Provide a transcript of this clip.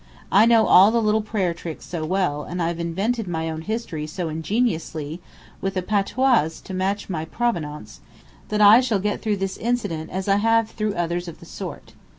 I know all the little prayer tricks so well, and I've invented my own history so ingeniously, with a patois to match my province, that I shall get through this incident as I have through others of the sort.